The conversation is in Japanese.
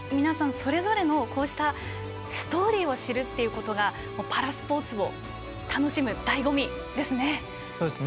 それぞれのこうしたストーリーを知るということがパラスポーツを楽しむだいご味ですね。